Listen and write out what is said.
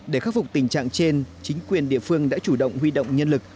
để khắc phục tình trạng trên chính quyền địa phương đã chủ động huy động nhân lực